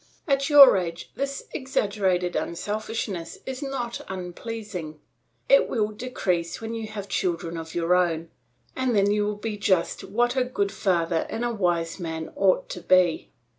At your age this exaggerated unselfishness is not unpleasing. It will decrease when you have children of your own, and then you will be just what a good father and a wise man ought to be.